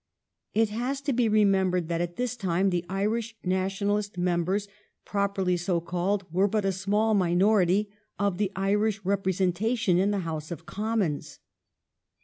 It has to be remembered that at this time the Irish Nationalist members, properly so called, were but a small minority of the Irish representation in the House of Commons.